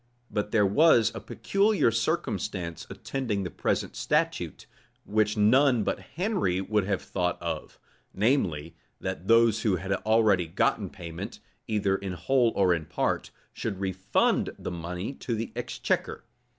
[*] But there was a peculiar circumstance attending the present statute, which none but Henry would have thought of; namely, that those who had already gotten payment, either in whole or in part, should refund the money to the exchequer.